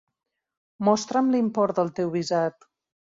Mostra'm l'import del meu visat.